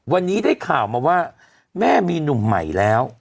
วันนี้ได้ข่าวมาว่าแม่มีหนุ่มใหม่แล้ว